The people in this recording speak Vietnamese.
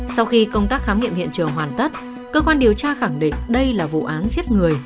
sau khi công tác khám nghiệm hiện trường hoàn tất cơ quan điều tra khẳng định đây là vụ án giết người